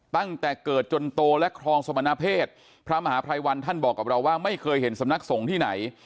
ตั้งแต่เกิดจนโตและครองสมณเพศพระมหาภัยวันท่านบอกกับเราว่าไม่เคยเห็นสำนักสงฆ์ที่ไหน